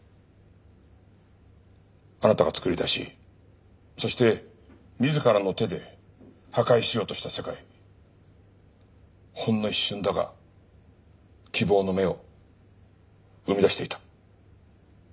あなたが作り出しそして自らの手で破壊しようとした世界ほんの一瞬だが希望の芽を生み出していた。